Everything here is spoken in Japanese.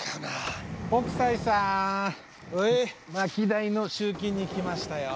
薪代の集金に来ましたよ。